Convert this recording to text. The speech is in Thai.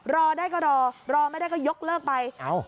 รอได้ก็รอรอไม่ได้ก็ยกเลิกไป